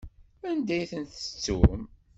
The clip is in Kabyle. Anda ay ten-tettum?